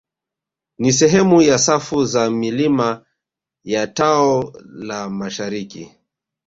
Ni sehemu ya safu za milima ya tao la mashariki